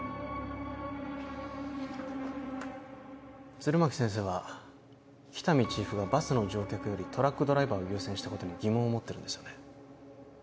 弦巻先生は喜多見チーフがバスの乗客よりトラックドライバーを優先したことに疑問を持ってるんですよね？